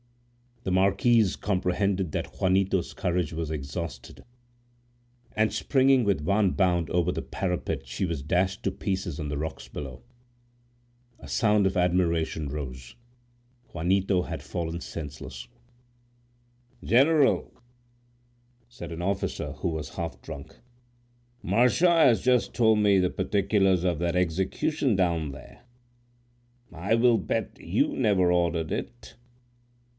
The marquise comprehended that Juanito's courage was exhausted, and springing with one bound over the parapet, she was dashed to pieces on the rocks below. A sound of admiration rose. Juanito had fallen senseless. "General," said an officer, who was half drunk, "Marchand has just told me the particulars of that execution down there. I will bet you never ordered it."